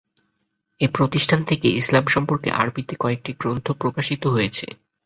এ প্রতিষ্ঠান থেকে ইসলাম সম্পর্কে আরবিতে কয়েকটি গ্রন্থ প্রকাশিত হয়েছে।